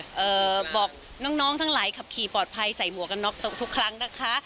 ทุกวันนี้ก็จะบอกน้องทั้งหลายขับขี่เป็นปลอดภัยใส่หัวกันก็อุ๊ยทุกครั้งนะคะ